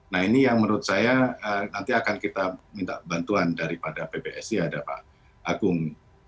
nah ini yang menurut saya nanti akan kita minta bantuan daripada pbsi ada pak agung